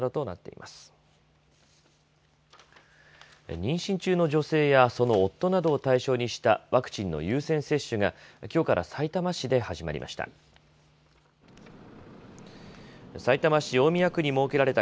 妊娠中の女性や、その夫などを対象にしたワクチンの優先接種がきょうから、さいたま市で始まりました。